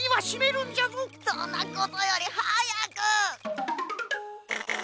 そんなことよりはやく！